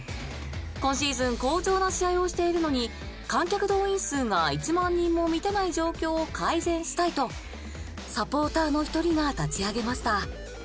今シーズン好調な試合をしているのに観客動員数が１万人も満たない状況を改善したいとサポーターの一人が立ち上げました。